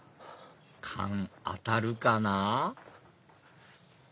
勘当たるかな？